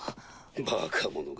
バカ者が。